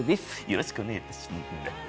よろしくお願いいたしま。